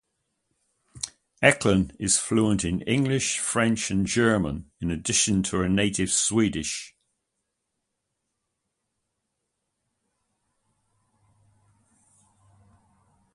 Ekland is fluent in English, French, and German, in addition to her native Swedish.